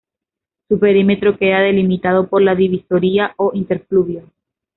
Su perímetro queda delimitado por la divisoria o interfluvio.